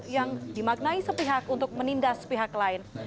yang dimaknai sepihak untuk menindas pihak lain